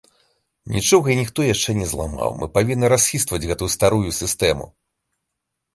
Нічога і ніхто яшчэ не зламаў, мы павінны расхістваць гэтую старую сістэму.